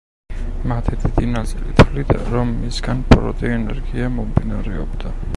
მათი დიდი ნაწილი თვლიდა, რომ მისგან ბოროტი ენერგია მომდინარეობდა.